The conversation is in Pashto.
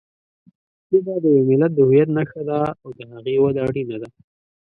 ژبه د یوه ملت د هویت نښه ده او د هغې وده اړینه ده.